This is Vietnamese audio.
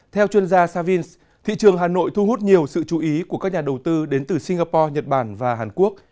theo chuyên gia savins thị trường hà nội thu hút nhiều sự chú ý của các nhà đầu tư đến từ singapore nhật bản và hàn quốc